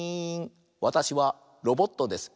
わたしはロボットです。